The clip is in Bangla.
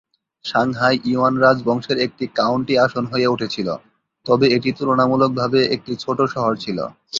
সাংহাই ইউয়ান রাজবংশের একটি কাউন্টি আসন হয়ে উঠেছিল, তবে এটি তুলনামূলকভাবে একটি ছোট শহর ছিল।